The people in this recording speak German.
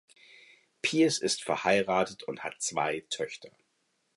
Pearce ist verheiratet und hat zwei Töchter.